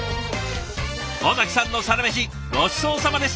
尾崎さんのサラメシごちそうさまでした。